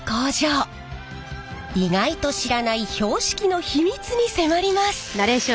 意外と知らない標識の秘密に迫ります。